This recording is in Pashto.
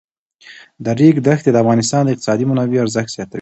د ریګ دښتې د افغانستان د اقتصادي منابعو ارزښت زیاتوي.